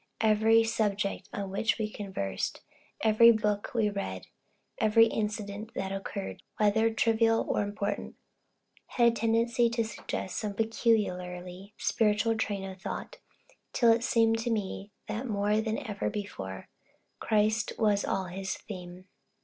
Every subject on which we conversed, every book we read, every incident that occurred, whether trivial or important, had a tendency to suggest some peculiarly spiritual train of thought, till it seemed to me that more than ever before, "Christ was all his theme."